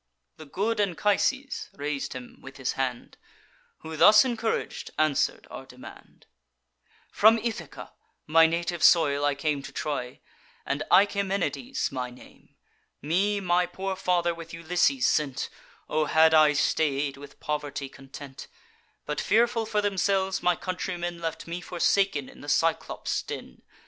The good Anchises rais'd him with his hand; Who, thus encourag'd, answer'd our demand: 'From Ithaca, my native soil, I came To Troy; and Achaemenides my name. Me my poor father with Ulysses sent; (O had I stay'd, with poverty content!) But, fearful for themselves, my countrymen Left me forsaken in the Cyclops' den.